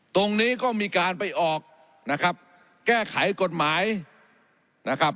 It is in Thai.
ตรงนี้ก็มีการไปออกนะครับแก้ไขกฎหมายนะครับ